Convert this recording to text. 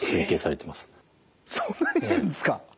そんなにいるんですか？